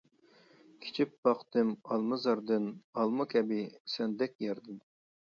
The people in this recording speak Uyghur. كېچىپ باقتىم ئالمىزاردىن، ئالما كەبى سەندەك ياردىن.